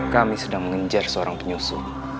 kami sedang menginjar seorang penyusup